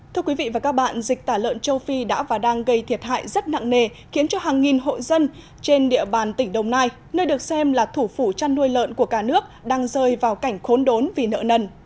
thưa quý vị và các bạn dịch tả lợn châu phi đã và đang gây thiệt hại rất nặng nề khiến cho hàng nghìn hộ dân trên địa bàn tỉnh đồng nai nơi được xem là thủ phủ chăn nuôi lợn của cả nước đang rơi vào cảnh khốn đốn vì nợ nần